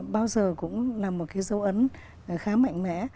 bao giờ cũng là một cái dấu ấn khá mạnh mẽ